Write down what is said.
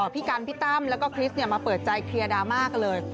พี่กันพี่ตั้มแล้วก็คริสมาเปิดใจเคลียร์ดราม่ากันเลย